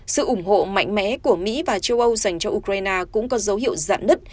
sự ủng hộ mạnh mẽ của mỹ và châu âu dành cho ukraine cũng có dấu hiệu dặn đứt